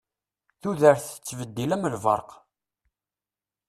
Tudert tettbeddil am lberq.